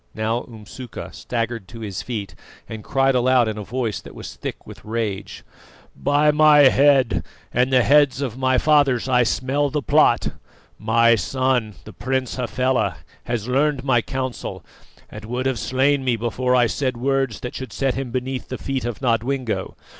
Now Umsuka staggered to his feet, and cried aloud in a voice that was thick with rage: "By my head and the heads of my fathers I smell the plot! My son, the Prince Hafela, has learned my counsel, and would have slain me before I said words that should set him beneath the feet of Nodwengo.